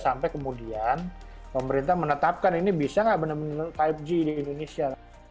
sampai kemudian pemerintah menetapkan ini bisa nggak benar benar lima g di indonesia